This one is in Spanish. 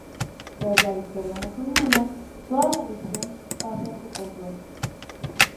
Tras la victoria musulmana, toda la región pasa a su control.